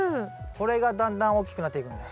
これがだんだん大きくなっていくんだよ。